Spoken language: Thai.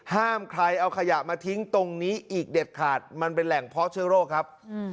ห้ามใครเอาขยะมาทิ้งตรงนี้อีกเด็ดขาดมันเป็นแหล่งเพาะเชื้อโรคครับ